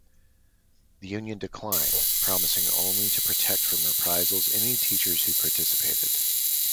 The union declined, promising only to protect from reprisals any teachers who participated.